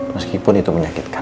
meskipun itu menyakitkan